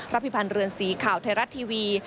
พิพันธ์เรือนสีข่าวไทยรัฐทีวี